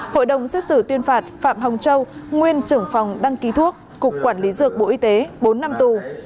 hội đồng xét xử tuyên phạt phạm hồng châu nguyên trưởng phòng đăng ký thuốc cục quản lý dược bộ y tế bốn năm tù